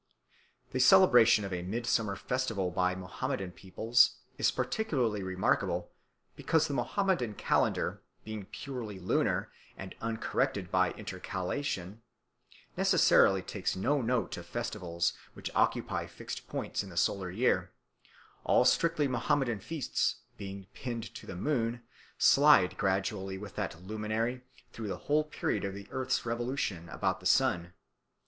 The celebration of a midsummer festival by Mohammedan peoples is particularly remarkable, because the Mohammedan calendar, being purely lunar and uncorrected by intercalation, necessarily takes no note of festivals which occupy fixed points in the solar year; all strictly Mohammedan feasts, being pinned to the moon, slide gradually with that luminary through the whole period of the earth's revolution about the sun.